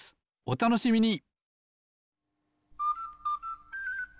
おたのしみに！